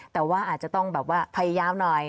แต่ว่าอาจจะต้องแบบว่าพยายามหน่อย